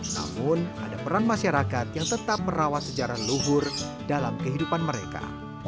namun ada peran masyarakat yang tetap merawat sejarah luhur dalam kehidupan mereka